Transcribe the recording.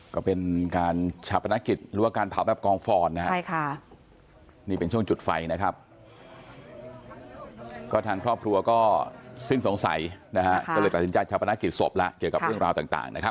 ก็เป็นการชาปนกิจหรือว่าการเผาแบบกองฟอนนะครับนี่เป็นช่วงจุดไฟนะครับก็ทางครอบครัวก็สิ้นสงสัยนะฮะก็เลยตัดสินใจชาปนกิจศพแล้วเกี่ยวกับเรื่องราวต่างนะครับ